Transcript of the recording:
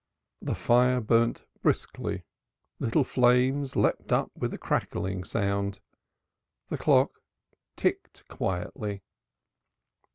The fire burnt briskly, little flames leaped up with a crackling sound, the clock ticked quietly.